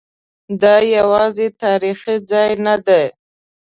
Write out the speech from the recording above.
دا یوازې تاریخي ځای نه دی.